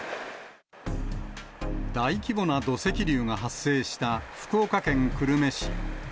大規模な土石流が発生した福岡県久留米市。